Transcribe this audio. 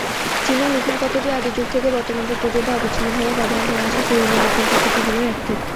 চীনা লিখন পদ্ধতিটি আদি যুগ থেকে বর্তমান যুগ পর্যন্ত অবিচ্ছিন্নভাবে ব্যবহার হয়ে আসা সবচেয়ে পুরনো লিখন পদ্ধতিগুলির একটি।